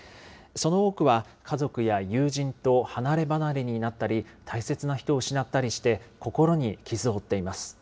その多くは家族や友人と離れ離れになったり、大切な人を失ったりして、心に傷を負っています。